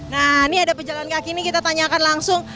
nah ini ada pejalan kaki ini kita tanyakan langsung